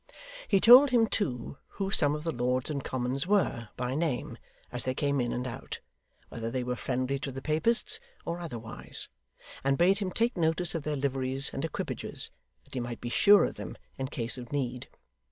He told him, too, who some of the Lords and Commons were, by name, as they came in and out; whether they were friendly to the Papists or otherwise; and bade him take notice of their liveries and equipages, that he might be sure of them, in case of need.